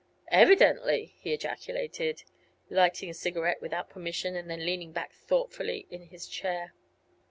"Evidently!" he ejaculated, lighting a cigarette without permission and then leaning back thoughtfully in his chair.